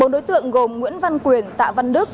bốn đối tượng gồm nguyễn văn quyền tạ văn đức